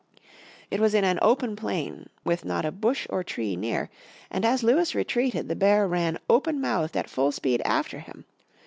It was in an open plain with not a bush or tree near; and as Lewis retreated the bear ran open mouthed at full speed after him.